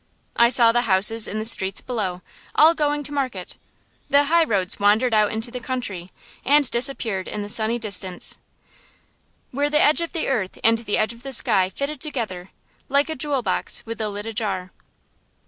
I saw the houses in the streets below, all going to market. The highroads wandered out into the country, and disappeared in the sunny distance, where the edge of the earth and the edge of the sky fitted together, like a jewel box with the lid ajar.